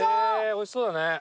おいしそうだね。